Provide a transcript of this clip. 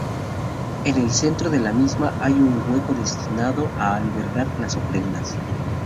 En el centro de la misma hay un hueco destinado a albergar las ofrendas.